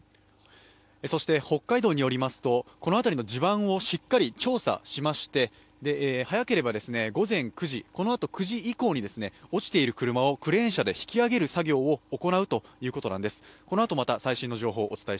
北海道によりますと、この辺りの地盤をしっかり調査しまして、早ければ午前９時以降に落ちている車をクレーン車で引き上げる作業を行うということなんです。